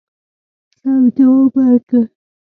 سم جواب ورکړ.